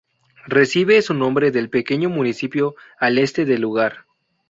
Recibe su nombre del pequeño municipio al este del lugar.